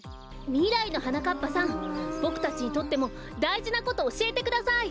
みらいのはなかっぱさんボクたちにとってもだいじなことおしえてください！